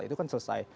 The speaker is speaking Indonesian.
itu kan selesai